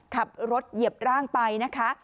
เหยียบร่างไปนะคะ